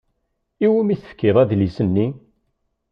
I wumi i tefkiḍ adlis-nni?